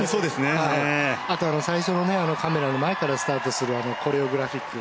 あとは最初のカメラの前からスタートするコレオグラフィック。